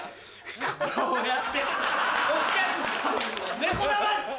こうやってお客さんを猫だまし！